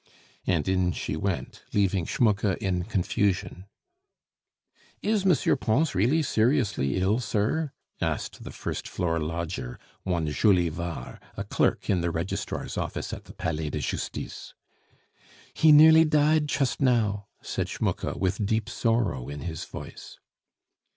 And in she went, leaving Schmucke in confusion. "Is M. Pons really seriously ill, sir?" asked the first floor lodger, one Jolivard, a clerk in the registrar's office at the Palais de Justice. "He nearly died chust now," said Schmucke, with deep sorrow in his voice.